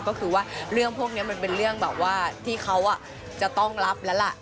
ก็คือว่าเรื่องพวกนี้มันเป็นเรื่องแบบว่าที่เขาจะต้องรับแล้วล่ะ